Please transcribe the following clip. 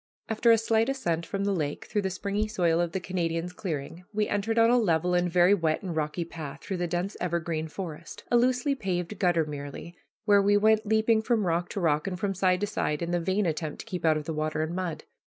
After a slight ascent from the lake through the springy soil of the Canadian's clearing, we entered on a level and very wet and rocky path through the dense evergreen forest, a loosely paved gutter merely, where we went leaping from rock to rock and from side to side in the vain attempt to keep out of the water and mud.